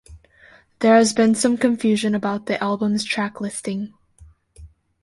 There has been some confusion about the album's track listing.